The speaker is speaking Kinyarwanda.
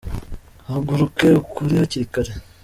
Haguruke ukore hakiri kare.